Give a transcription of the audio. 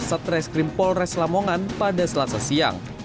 satreskrim polres lamongan pada selasa siang